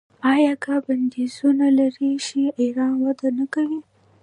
آیا که بندیزونه لرې شي ایران وده نه کوي؟